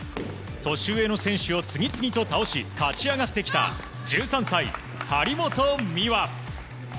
年上の選手を次々と倒し勝ち上がってきた１３歳、張本美和。